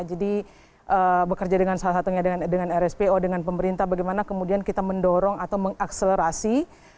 jadi bekerja dengan salah satunya dengan rspo dengan pemerintah bagaimana kemudian kita mendorong atau mengakselerasi